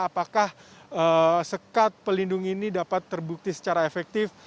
apakah sekat pelindung ini dapat terbukti secara efektif